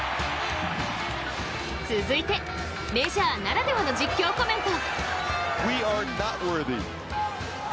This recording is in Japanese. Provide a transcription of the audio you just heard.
続いてメジャーならではの実況コメント。